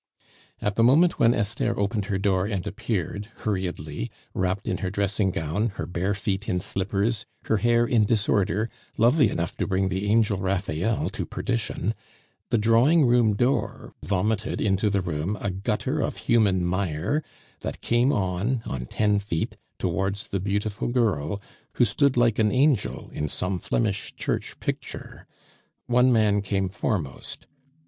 At the moment when Esther opened her door and appeared, hurriedly, wrapped in her dressing gown, her bare feet in slippers, her hair in disorder, lovely enough to bring the angel Raphael to perdition, the drawing room door vomited into the room a gutter of human mire that came on, on ten feet, towards the beautiful girl, who stood like an angel in some Flemish church picture. One man came foremost.